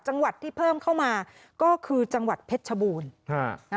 จังหวัดที่เพิ่มเข้ามาก็คือจังหวัดเพชรชบูรณ์